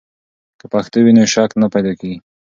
که پښتو وي، نو شک نه پیدا کیږي.